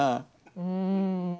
うん。